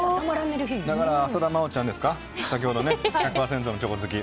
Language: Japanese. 浅田真央ちゃんですが先ほど１００％のチョコ好き。